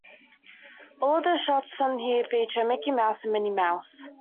All of the shorts on here feature Mickey Mouse and Minnie Mouse.